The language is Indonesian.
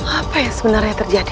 apa yang sebenarnya terjadi